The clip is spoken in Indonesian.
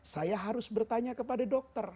saya harus bertanya kepada dokter